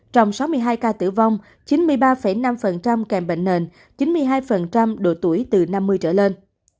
trong sáu mươi hai ca tử vong chín mươi ba năm kèm bệnh nền chín mươi hai độ tuổi từ năm mươi trở lên